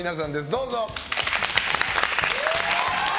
どうぞ！